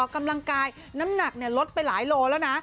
กำลังกายน้ำหนักลดไปหลายโลแล้วนะ